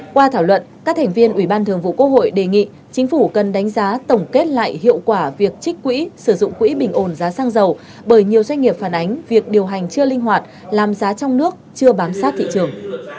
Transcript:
qua thảo luận các thành viên ủy ban thường vụ quốc hội đề nghị chính phủ cần đánh giá tổng kết lại hiệu quả việc trích quỹ sử dụng quỹ bình ổn giá xăng dầu bởi nhiều doanh nghiệp phản ánh việc điều hành chưa linh hoạt làm giá trong nước chưa bám sát thị trường